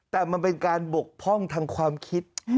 แต่มันเป็นการบกพร่องทางความคิด